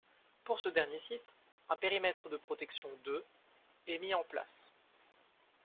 Pour ce dernier site, un périmètre de protection de est mis en place.